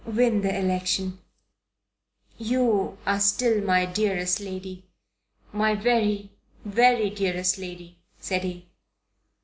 "Win the election." "You are still my dearest lady my very very dearest lady," said he.